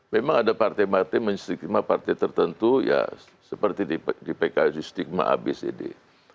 memang ada partai partai menstigma partai tertentu ya seperti di pks di stigma habis ini